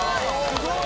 すごい！